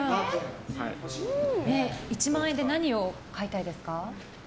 １万円で何を買いたいですか？